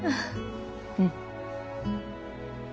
うん。